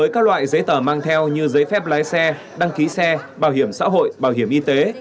với các loại giấy tờ mang theo như giấy phép lái xe đăng ký xe bảo hiểm xã hội bảo hiểm y tế